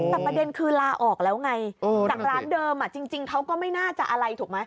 แต่ประเด็นคือลาออกแล้วไงจากร้านเดิมจริงเขาก็ไม่น่าจะอะไรถูกไหม